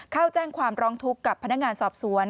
เข้าแจ้งความร้องทุกข์กับพนักงานสอบสวน